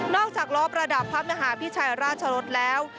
อกจากล้อประดับพระมหาพิชัยราชรสแล้ว